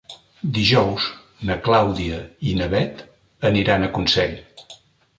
Dijous na Clàudia i na Bet aniran a Consell.